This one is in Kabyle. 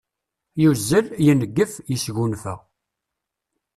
Yuzzel, yengef, yesgunfa.